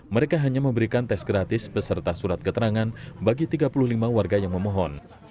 mereka hanya memberikan tes gratis beserta surat keterangan bagi tiga puluh lima warga yang memohon